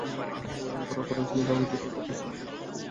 ঘরোয়া প্রথম-শ্রেণীর কাউন্টি ক্রিকেটে সাসেক্স দলের প্রতিনিধিত্ব করেছেন।